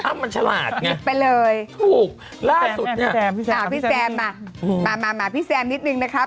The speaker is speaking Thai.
มันฉลาดไงถูกล่าสุดเนี่ยพี่แซมมาพี่แซมนิดนึงนะคะ